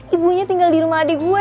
ibunya tinggal di rumah adik gue